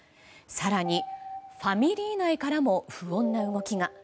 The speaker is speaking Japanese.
更にファミリー内からも不穏な動きが。